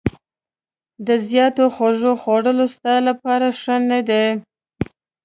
د زیاتو خوږو خوړل ستا لپاره ښه نه دي.